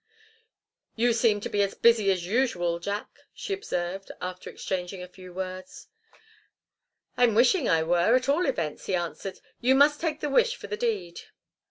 "You seem to be as busy as usual, Jack," she observed, after exchanging a few words. "I'm wishing I were, at all events," he answered. "You must take the wish for the deed."